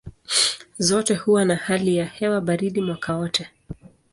Zote huwa na hali ya hewa baridi mwaka wote.